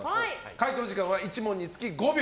解答時間は１問につき５秒。